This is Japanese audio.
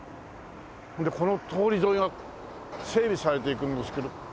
それでこの通り沿いが整備されていくんですけど。